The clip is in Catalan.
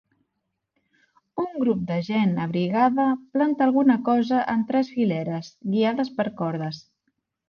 Un grup de gent abrigada planta alguna cosa en tres fileres, guiades per cordes.